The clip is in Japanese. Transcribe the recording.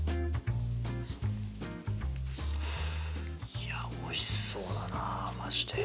いやおいしそうだなまじで。